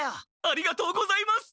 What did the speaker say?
ありがとうございます！